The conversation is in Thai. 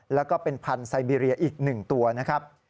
แล้วก็เป็นพันธุ์ไซเบีเรียอีก๑ตัวนะครับ